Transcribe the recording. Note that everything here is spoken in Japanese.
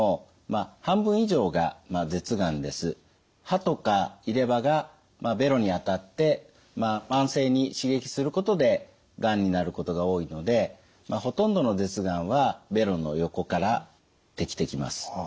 歯とか入れ歯がべろに当たって慢性に刺激することでがんになることが多いのでほとんどの舌がんはべろの横からできてきます。